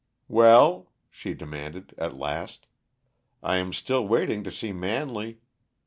"Well?" she demanded at last. "I am still waiting to see Manley.